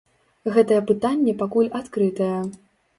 Гэтае пытанне пакуль адкрытае.